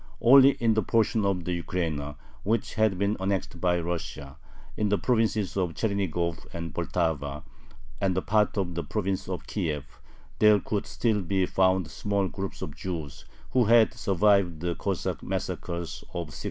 Only in the portion of the Ukraina which had been annexed by Russia, in the provinces of Chernigov and Poltava, and a part of the province of Kiev, there could still be found small groups of Jews who had survived the Cossack massacres of 1648.